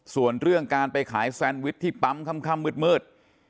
ส่วนเรื่องการไปขายแซนวิชที่ปั๊มค่ำมืด